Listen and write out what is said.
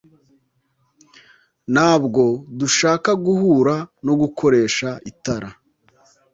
Ntabwo dushaka guhura nogukoresha itara